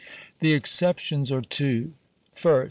The exceptions are two. First.